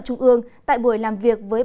trung ương tại buổi làm việc với